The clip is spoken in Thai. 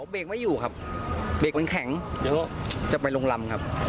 เบรกไม่อยู่ครับเบรกมันแข็งจะไปโรงรัมครับ